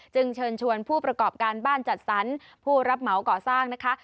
เชิญชวนผู้ประกอบการบ้านจัดสรรผู้รับเหมาก่อสร้างนะคะ